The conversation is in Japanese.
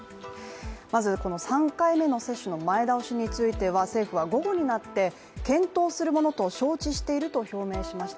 まず、この３回目の接種の前倒しについて政府は午後になって検討するものと承知していると表明しました。